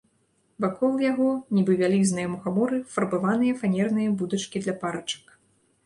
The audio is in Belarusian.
Вакол яго, нібы вялізныя мухаморы, фарбаваныя фанерныя будачкі для парачак.